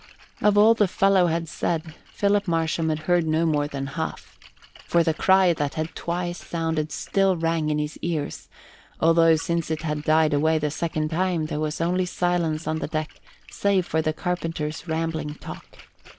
Of all the fellow had said Philip Marsham had heard no more than half, for the cry that had twice sounded still rang in his ears, although since it had died away the second time there was only silence on the deck save for the carpenter's rambling talk.